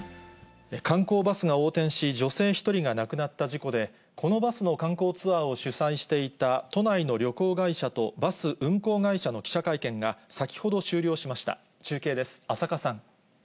観光バスが横転し、女性１人が亡くなった事故で、このバスの観光ツアーを主催していた都内の旅行会社とバス運行会社の記者会見が、先ほど終了しました。